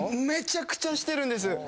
めちゃくちゃしてるんです。